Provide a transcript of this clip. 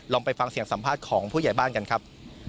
ไปฟังเสียงสัมภาษณ์ของผู้ใหญ่บ้านกันครับ